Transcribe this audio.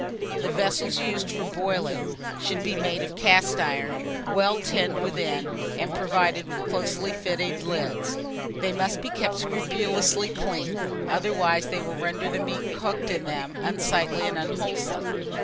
THE VESSELS USED FOR BOILING should be made of cast iron, well tinned within, and provided with closely fitting lids. They must be kept scrupulously clean, otherwise they will render the meat cooked in them unsightly and unwholesome.